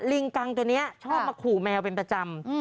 กังตัวนี้ชอบมาขู่แมวเป็นประจำ